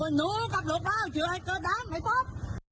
ไอ้นู้กลับโลกราวเจอไอ้เกอร์ดังไอ้ป๊อบ